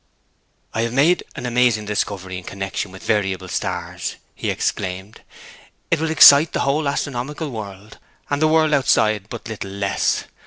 'I have made an amazing discovery in connexion with the variable stars,' he exclaimed. 'It will excite the whole astronomical world, and the world outside but little less.